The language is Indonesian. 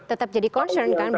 tetap jadi concern kan